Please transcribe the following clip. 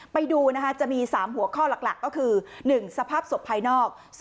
ไปดูนะคะจะมี๓หัวข้อหลักก็คือ๑สภาพศพภายนอก